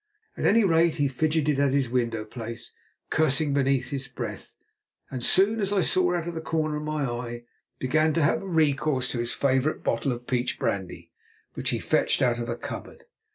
At any rate he fidgeted at his window place cursing beneath his breath, and soon, as I saw out of the corner of my eye, began to have recourse to his favourite bottle of peach brandy, which he fetched out of a cupboard.